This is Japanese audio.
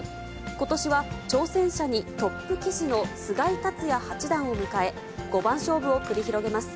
ことしは挑戦者にトップ棋士の菅井竜也八段を迎え、五番勝負を繰り広げます。